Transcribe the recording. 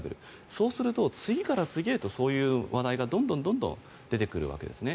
そうすると次から次へとそういう話題がどんどん出てくるわけですね。